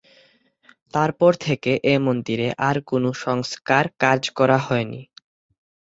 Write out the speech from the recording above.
তারপর থেকে এ মন্দিরের আর কোন সংস্কার কাজ করা হয়নি।